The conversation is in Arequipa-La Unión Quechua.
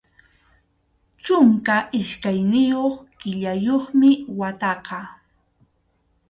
Chunka iskayniyuq killayuqmi wataqa.